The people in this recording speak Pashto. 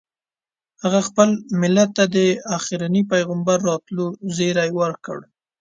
هغه خپل ملت ته د اخرني پیغمبر راتلو زیری ورکړ.